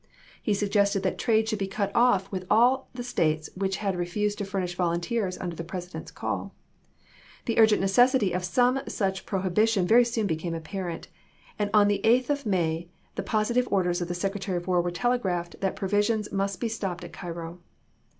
He suggested that trade should be cut off with all the States which had refused to furnish volunteers under the President's call. The urgent necessity of some such prohibi tion very soon became apparent ; and on the 8th of May the positive orders of the Secretary of War were telegraphed that provisions must be stopped at Cairo.